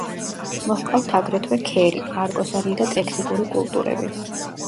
მოჰყავთ აგრეთვე ქერი, პარკოსანი და ტექნიკური კულტურები.